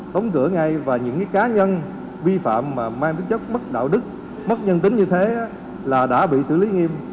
đóng cửa ngay và những cá nhân vi phạm mà mang tính chất mức đạo đức mất nhân tính như thế là đã bị xử lý nghiêm